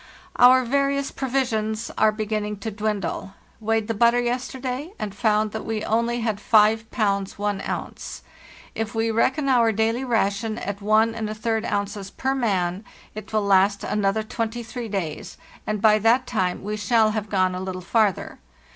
"Our various provisions are beginning to dwindle. Weighed the butter yesterday, and found that we only had 5 pounds 1 ounce. If we reckon our daily ration at 14 ounces per man it will last another 23 days, and by that time we shall have gone a little farther.